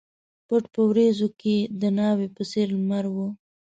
پټ په وریځو کښي د ناوي په څېر لمر و